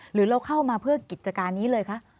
หรือเราเข้ามาเพื่อกิจการนี้เลยคะ